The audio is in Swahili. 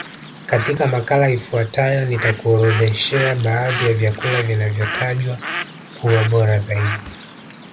Katika makala ifuatayo nitakuorodhoshea baadhi ya vyakula vinavyotajwa kuwa bora zaidi